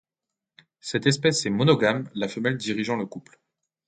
Cette espèce est monogame, la femelle dirigeant le couple.